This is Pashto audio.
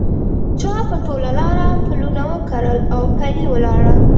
چا په ټول لاره پلونه وکرل اوپلي ولاړه